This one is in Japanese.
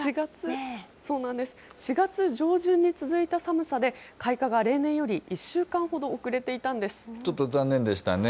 ４月上旬に続いた寒さで、開花が例年より１週間ほど遅れていたんです。